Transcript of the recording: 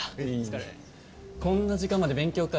こんな時間まで勉強か。